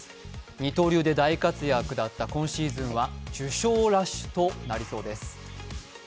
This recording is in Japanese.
二刀流で大活躍だった今年は受賞ラッシュとなりそうです。